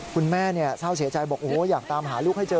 คุณแม่เนี่ยเศร้าเฉยใจบอกโอ้โหอยากตามหาลูกให้เจอ